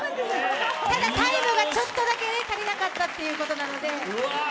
ただタイムがちょっとだけ足りなかったということなので。